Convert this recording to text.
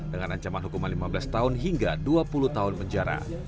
dengan ancaman hukuman lima belas tahun hingga dua puluh tahun penjara